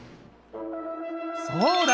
そうだ！